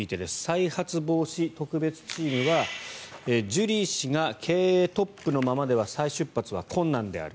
再発防止特別チームはジュリー氏が経営トップのままでは再出発は困難である。